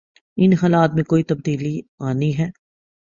ان حالات میں کوئی تبدیلی آنی ہے۔